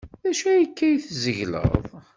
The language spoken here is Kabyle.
D acu akka ay tzegleḍ?